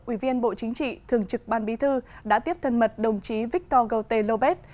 ủy viên bộ chính trị thường trực ban bí thư đã tiếp thân mật đồng chí victor gauté lô